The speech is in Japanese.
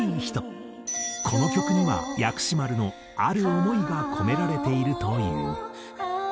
この曲には薬師丸のある思いが込められているという。